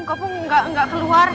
kok bu gak keluar